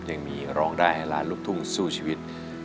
ยังลองได้ได้ร้านลุกทุ่มสู้ชีวิต